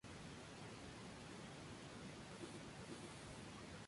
Además, apareció un "spin-off" titulado Donkey Kong Jungle Beat.